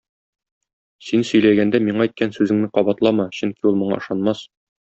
Син сөйләгәндә миңа әйткән сүзеңне кабатлама, чөнки ул моңа ышанмас!